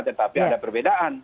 tetapi ada perbedaan